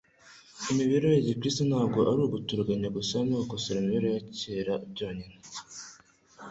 Imibereho ya gikristo ntabwo ari uguturuganya gusa no gukosora imibereho ya kera byonyine;